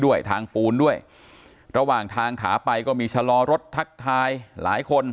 ด้วยทางปูนด้วยระหว่างทางขาไปก็มีชะลอรถทักทายหลายคน